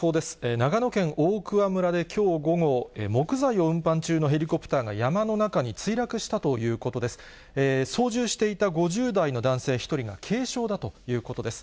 長野県大桑村できょう午後、木材を運搬中のヘリコプターが山の中に墜落したということです。